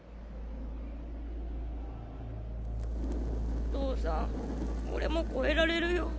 お父さん俺も超えられるよ。